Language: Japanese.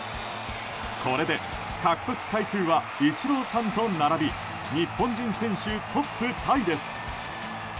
これで獲得回数はイチローさんと並び日本人選手トップタイです。